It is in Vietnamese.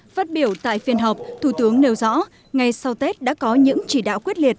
phát biểu tại phiên họp thủ tướng nêu rõ ngay sau tết đã có những chỉ đạo quyết liệt